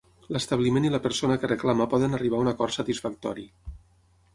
L'establiment i la persona que reclama poden arribar a un acord satisfactori.